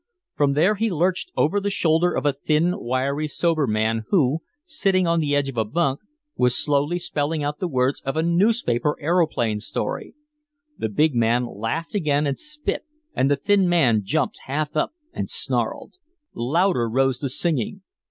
From there he lurched over the shoulder of a thin, wiry, sober man who, sitting on the edge of a bunk, was slowly spelling out the words of a newspaper aeroplane story. The big man laughed again and spit, and the thin man jumped half up and snarled. Louder rose the singing.